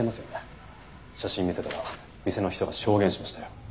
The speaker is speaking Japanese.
写真見せたら店の人が証言しましたよ。